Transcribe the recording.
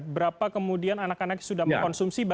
berapa kemudian anak anak sudah mengkonsumsi